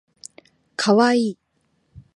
かわいい